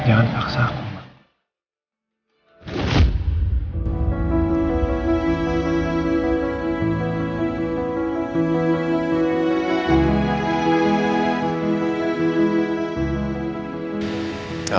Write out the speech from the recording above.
jangan paksa aku mama